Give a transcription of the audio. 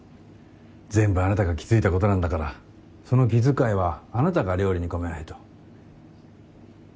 全部あなたが気付いたことなんだからその気遣いはあなたが料理に込めないと。